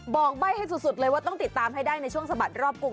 บอกใบ้ให้สุดเลยว่าต้องติดตามให้ได้ในช่วงสะบัดรอบกรุง